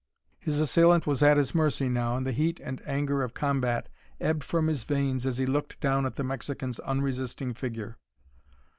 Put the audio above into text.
His assailant was at his mercy now and the heat and anger of combat ebbed from his veins as he looked down at the Mexican's unresisting figure.